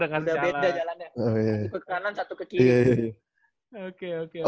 ke kanan satu ke kiri